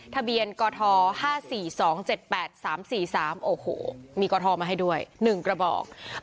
ทะเบียนกท๕๔๒๗๘๓๔๓โอ้โหมีกทมาให้ด้วย๑กระบอก